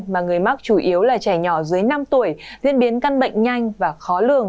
mà người mắc chủ yếu là trẻ nhỏ dưới năm tuổi diễn biến căn bệnh nhanh và khó lường